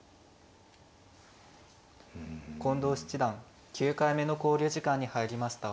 近藤七段９回目の考慮時間に入りました。